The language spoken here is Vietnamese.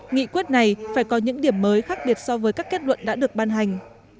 nghị quyết này phải có những điểm mới khác biệt so với các kết luận đã được ban hành